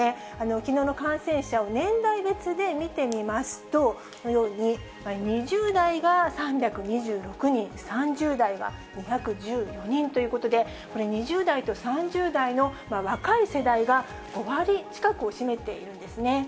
きのうの感染者を年代別で見てみますと、このように２０代が３２６人、３０代が２１４人ということで、これ、２０代と３０代の若い世代が５割近くを占めているんですね。